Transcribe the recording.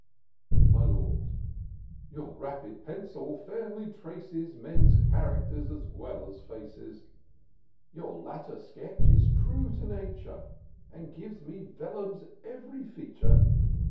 My Lord. " Your rapid pencil fairly traces Men's characters as well as faces : Your latter sketch is true to Nature, And gives me VellunCs ev'ry feature.